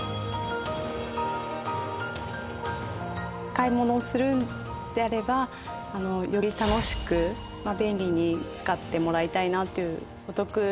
買い物をするんであればより楽しく便利に使ってもらいたいなっていう。